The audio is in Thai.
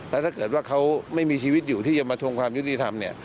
แล้วถ้าเกิดว่าเขาไม่มีชีวิตอยู่ที่จะมาทวงความยุติธรรมเนี่ย